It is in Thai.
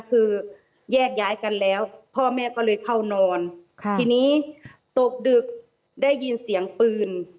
คือแยกย้ายกันแล้วพ่อแม่ก็เลยเข้านอนทีนี้ตกดึกได้ยินเสียงปืน